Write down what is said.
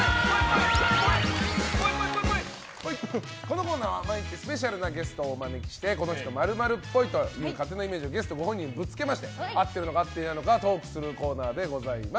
このコーナーは毎日スペシャルなゲストをお招きしてこの人、○○っぽいという勝手なイメージをゲストご本人にぶつけましてあっているのかいないのかトークするコーナーでございます。